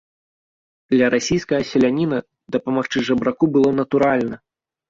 Для расійскага селяніна дапамагчы жабраку было натуральна.